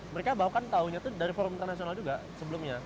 mereka bahkan tahunya itu dari forum internasional juga sebelumnya